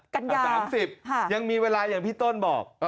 กัญญา๓๐ยังมีเวลาอย่างพี่ต้นบอก